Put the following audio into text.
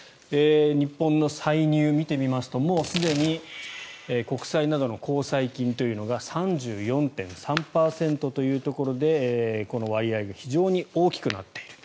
日本の歳入を見てみますともうすでに国債などの公債金というのが３４．３％というところでこの割合が非常に大きくなっている。